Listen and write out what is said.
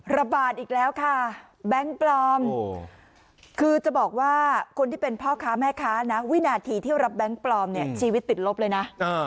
ระบาดอีกแล้วค่ะแบงค์ปลอมคือจะบอกว่าคนที่เป็นพ่อค้าแม่ค้านะวินาทีที่รับแบงค์ปลอมเนี่ยชีวิตติดลบเลยนะ